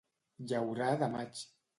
Llaurar de maig.